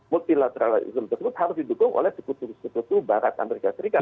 multilateralism tersebut harus didukung oleh sekutu sekutu barat amerika serikat